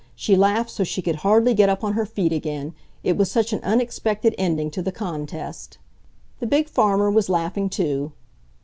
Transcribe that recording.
She laughed so she could hardly get up on her feet again, it was such an unexpected ending to the contest. The big farmer was laughing too.